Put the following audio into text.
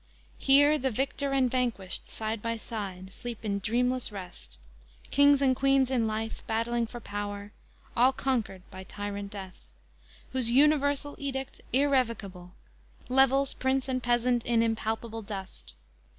Here the victor and vanquished, side by side, Sleep in dreamless rest, Kings and Queens in life, Battling for power, all conquered by tyrant Death, Whose universal edict, irrevocable, Levels Prince and Peasant, in impalpable dust.